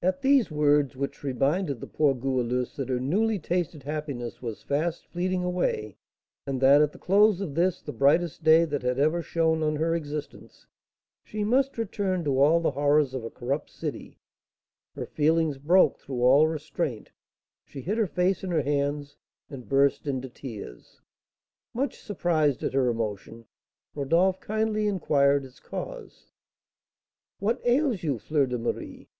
At these words, which reminded the poor Goualeuse that her newly tasted happiness was fast fleeting away, and that, at the close of this, the brightest day that had ever shone on her existence, she must return to all the horrors of a corrupt city, her feelings broke through all restraint, she hid her face in her hands and burst into tears. Much surprised at her emotion, Rodolph kindly inquired its cause. "What ails you, Fleur de Marie?